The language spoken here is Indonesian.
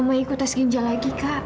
mau ikut tes ginjal lagi kak